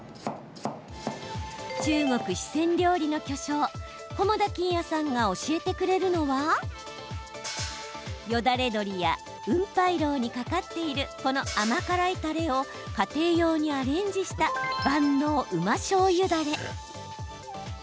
中国・四川料理の巨匠菰田欣也さんが教えてくれるのはよだれ鶏や雲白肉にかかっている、この甘辛いたれを家庭用にアレンジした万能うましょうゆだれ。